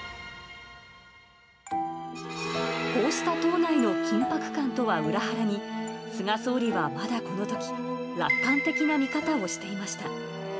こうした党内の緊迫感とは裏腹に、菅総理はまだこのとき、楽観的な見方をしていました。